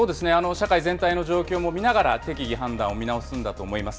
社会全体の状況も見ながら、適宜判断を見直すんだと思います。